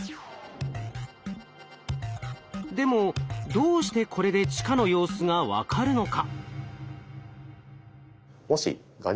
でもどうしてこれで地下の様子が分かるのか？